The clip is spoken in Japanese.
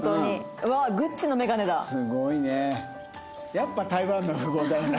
やっぱ台湾の富豪だよな。